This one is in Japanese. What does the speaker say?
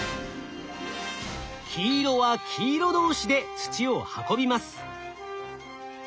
黄色は黄色同士で土を運びます。